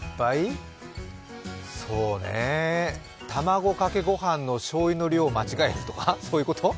そうね、卵かけご飯のしょうゆの量を間違えるとか、そういうこと？